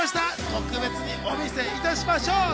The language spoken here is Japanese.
特別にお見せいたしましょう。